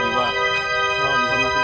kalau rumah terjiwa